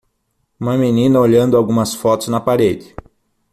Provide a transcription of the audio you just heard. Uma menina olhando algumas fotos na parede.